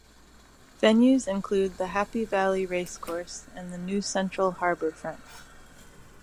Venues include the Happy Valley Racecourse and the New central Harbourfront.